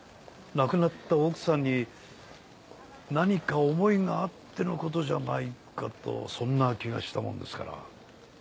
亡くなった奥さんに何か思いがあってのことじゃないかとそんな気がしたもんですから。